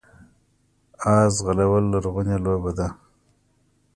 اس ځغلول لرغونې لوبه ده